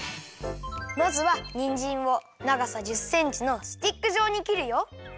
まずはにんじんをながさ１０センチのスティックじょうにきるよ。